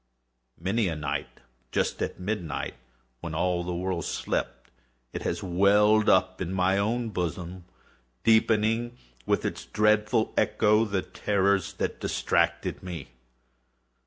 Many a night, just at midnight, when all the world slept, it has welled up from my own bosom, deepening, with its dreadful echo, the terrors that distracted me.